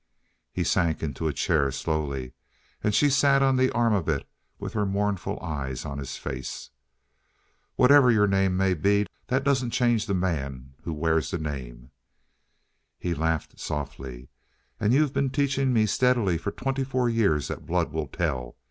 He sank into a chair slowly. And she sat on the arm of it with her mournful eyes on his face. "Whatever your name may be, that doesn't change the man who wears the name." He laughed softly. "And you've been teaching me steadily for twenty four years that blood will tell?